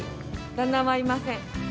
旦那はいません。